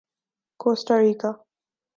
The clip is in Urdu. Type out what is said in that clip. کوسٹا ریکا